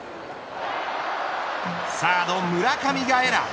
サード村上がエラー。